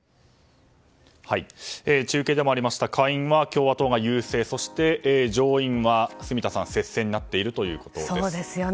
中継でもありました下院は共和党が優勢そして、上院は住田さん接戦になっているということです。